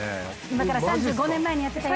今から３５年前にやってたよ。